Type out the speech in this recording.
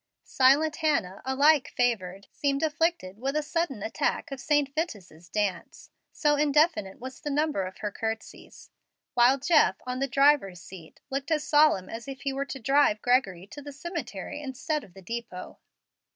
Silent Hannah, alike favored, seemed afflicted with a sudden attack of St. Vitus's dance, so indefinite was the number of her courtesies; while Jeff, on the driver's seat, looked as solemn as if he were to drive Gregory to the cemetery instead of the depot.